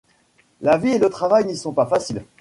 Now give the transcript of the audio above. La vie et le travail n’y sont pas faciles.